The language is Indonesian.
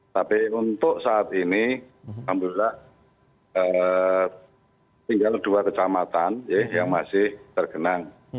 tapi untuk saat ini alhamdulillah tinggal dua kecamatan yang masih tergenang